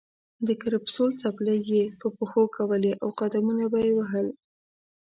د کرپسول څپلۍ یې په پښو کولې او قدمونه به یې وهل.